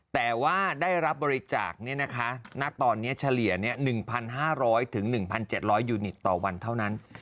แต่ว่าได้รับบริจาคณตอนนี้เฉลี่ย๑๕๐๐๑๗๐๐ยูนิตต่อวันเท่านั้น